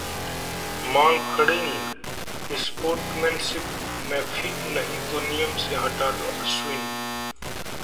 'mankading' sportsmanship में fit नहीं तो नियम से हटा दो: अश्विन